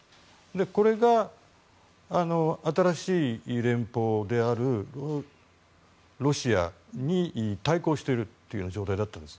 これが新しい連邦であるロシアに対抗しているという状態だったんです。